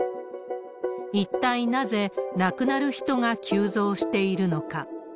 一体なぜ、亡くなる人が急増しているのか。